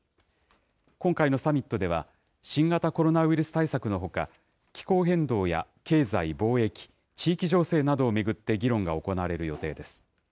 今回のサミットでは、新型コロナウイルス対策のほか、気候変動や経済・貿易、地域情勢などを巡って議論が行われる予定です。